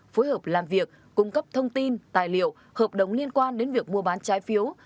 phối hợp làm việc cung cấp thông tin tài liệu hợp đồng liên quan đến việc mua bán trái phiếu